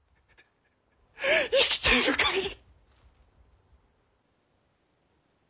生きている限り。